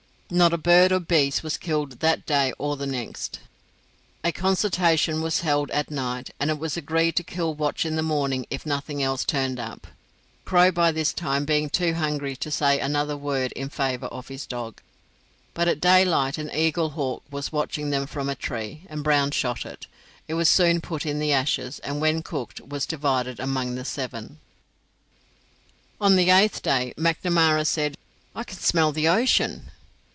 Not a bird or beast was killed that day or the next. A consultation was held at night, and it was agreed to kill Watch in the morning if nothing else turned up, Crow by this time being too hungry to say another word in favour of his dog. But at daylight an eaglehawk was watching them from a tree, and Brown shot it. It was soon put in the ashes, and when cooked was divided among the seven. On the eighth day Macnamara said, "I can smell the ocean."